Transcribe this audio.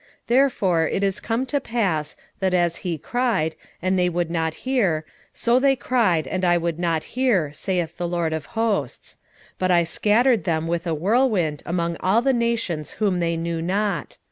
7:13 Therefore it is come to pass, that as he cried, and they would not hear; so they cried, and I would not hear, saith the LORD of hosts: 7:14 But I scattered them with a whirlwind among all the nations whom they knew not.